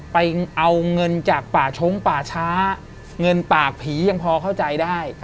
ไปเอาเงินจากป่าชงป่าช้าเงินปากผียังพอเข้าใจได้